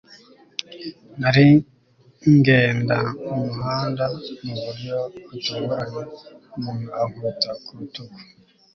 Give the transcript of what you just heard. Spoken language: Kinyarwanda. nari ngenda mu muhanda, mu buryo butunguranye umuntu ankubita ku rutugu